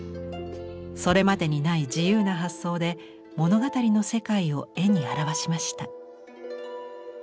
それまでにない自由な発想で物語の世界を絵に表しました。